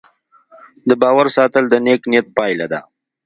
د باور ساتل د نیک نیت پایله ده.